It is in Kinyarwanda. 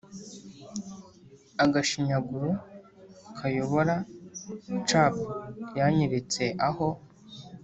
agashinyaguro kayobora-chap yanyeretse aho